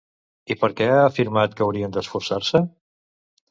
I per què ha afirmat que haurien d'esforçar-se?